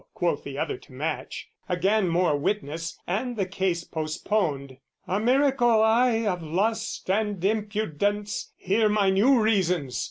quoth the other to match: Again, more witness, and the case postponed. "A miracle, ay of lust and impudence; "Hear my new reasons!"